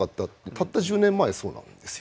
たった１０年前そうなんですよ。